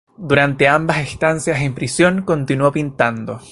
Durante ambas estancias en prisión continuó pintando.